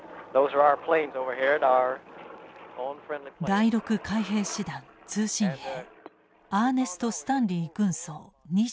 第６海兵師団通信兵アーネスト・スタンリー軍曹２５歳。